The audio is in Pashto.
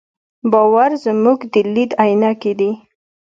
باور زموږ د لید عینکې دي.